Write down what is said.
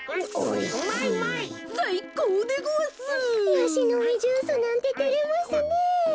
ヤシの実ジュースなんててれますねえ。